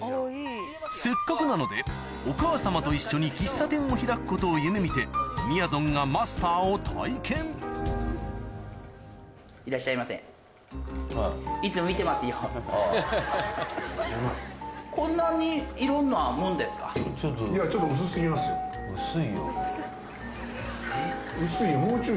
せっかくなのでお母様と一緒に喫茶店を開くことを夢見てみやぞんがちょっと薄過ぎますよ。えっ？